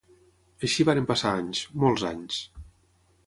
Així varen passar anys, molts anys